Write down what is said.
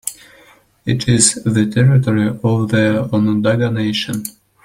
It is the territory of the Onondaga Nation.